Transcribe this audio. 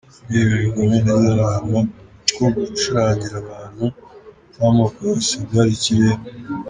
Nibyo birori bikomeye nagize mu buzima kuko gucurangira abantu b’amoko yose byari ikirenga.